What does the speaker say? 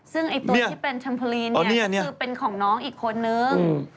ซึ่งตัวที่เป็นเทมโปรลินคือเป็นของน้องอีกคนนึง